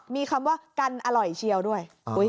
มีคำว่ากันอร่อยเชียวด้วย